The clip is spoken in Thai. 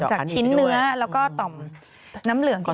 จากชิ้นเนื้อแล้วก็ต่อมน้ำเหลือง